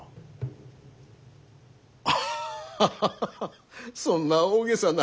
ハハハハそんな大げさな。